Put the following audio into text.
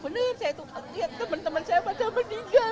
benar saya itu teman teman saya pada meninggal